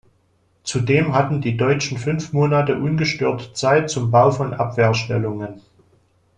Zudem hatten die Deutschen fünf Monate ungestört Zeit zum Bau von Abwehrstellungen.